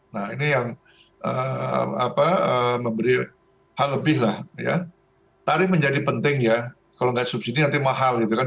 nah ini yang memberi hal lebih lah ya tarif menjadi penting ya kalau nggak subsidi nanti mahal gitu kan